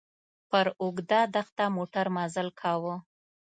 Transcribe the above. پر اوږده دښته موټر مزل کاوه.